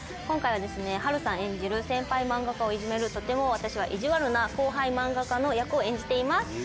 今回はですね波瑠さん演じる先輩漫画家をいじめるとても私は意地悪な後輩漫画家の役を演じています。